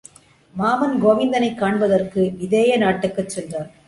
மாமன் கோவிந்தனைக் காண்பதற்கு விதேய நாட்டுக்குச் சென்றான்.